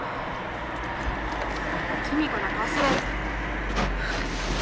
公子なんか忘れる。